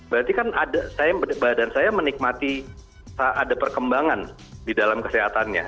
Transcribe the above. berarti kan ada badan saya menikmati ada perkembangan di dalam kesehatannya